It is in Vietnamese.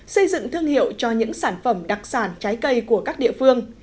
xây dựng thương hiệu cho những sản phẩm đặc sản trái cây của các địa phương